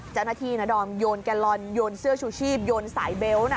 เจ้าหน้าที่นะดอมโยนแกลลอนโยนเสื้อชูชีพโยนสายเบลต์นะ